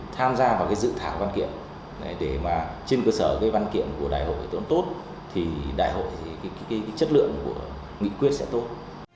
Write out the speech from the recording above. tham gia vào dự thảo văn kiện để mà trên cơ sở văn kiện của đại hội tốt thì đại hội chất lượng của nghị quyết sẽ tốt